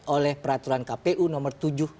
oleh peraturan kpu nomor tujuh